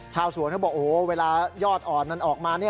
ชาวสวนเขาบอกโอ้โหเวลายอดอ่อนมันออกมา